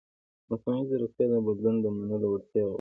مصنوعي ځیرکتیا د بدلون د منلو وړتیا غواړي.